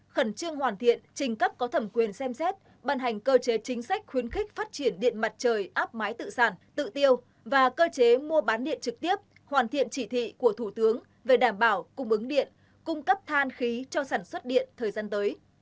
khẩn trương hoàn thiện trình cấp có thẩm quyền xem xét bàn hành cơ chế chính sách khuyến khích phát triển điện mặt trời áp mái tự sản tự tiêu và cơ chế mua bán điện trực tiếp hoàn thiện chỉ thị của thủ tướng về đảm bảo cung ứng điện cung cấp than khí cho sản xuất điện thời gian tới